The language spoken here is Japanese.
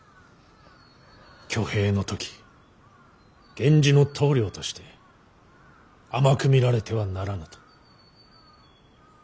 挙兵の時源氏の棟梁として甘く見られてはならぬと。